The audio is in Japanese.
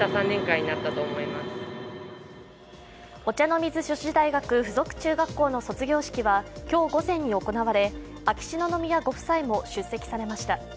お茶の水女子大学附属中学校の卒業式は今日午前に行われ秋篠宮ご夫妻も出席されました。